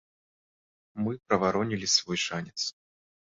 Мы праваронілі свой шанец.